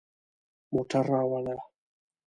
موټر راوړه